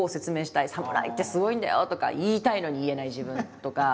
「侍ってすごいんだよ」とか言いたいのに言えない自分とか。